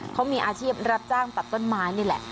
เขามีอาชีพรับจ้างตัดต้นไม้นี่แหละ